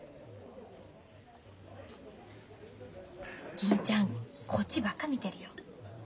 銀ちゃんこっちばっか見てるよ。